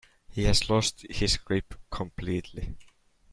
He has lost his grip completely.